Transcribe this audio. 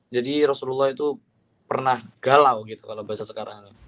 jadi rasulullah itu pernah galau gitu kalau bahasa sekarang